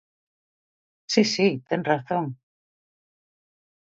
Si, si, ten razón.